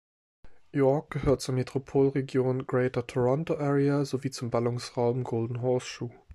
York gehört zur Metropolregion Greater Toronto Area sowie zum Ballungsraum Golden Horseshoe.